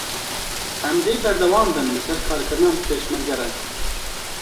Em dê berdewam bin li ser karkirina bi Pêşmerge re.